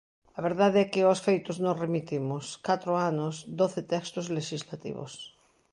A verdade é que aos feitos nos remitimos: catro anos, doce textos lexislativos.